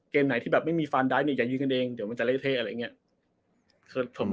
เกมไหนที่แบบไม่มีฟานดรไทยเนี้ยอย่ายืนกันเองเดี๋ยวมันจะเล่นเท่าอะไรเงี้ย